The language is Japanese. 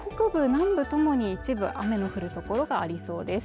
南部ともに一部雨の降る所がありそうです